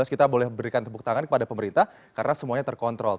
kita boleh berikan tepuk tangan kepada pemerintah karena semuanya terkontrol